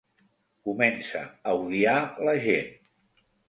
Comença a odiar la gent.